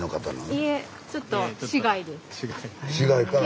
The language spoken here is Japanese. いえちょっと市外から。